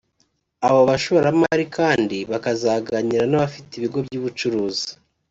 Abo bashoramari kandi bakazaganira n’abafite ibigo by’ubucuruzi